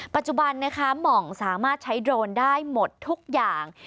ปัจจุบันนะคะหม่องสามารถใช้โดรนได้หมดทุกอย่าง